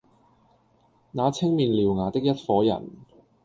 那青面獠牙的一夥人，